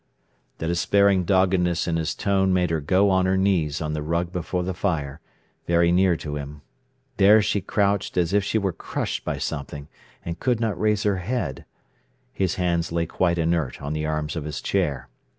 The despairing doggedness in his tone made her go on her knees on the rug before the fire, very near to him. There she crouched as if she were crushed by something, and could not raise her head. His hands lay quite inert on the arms of his chair.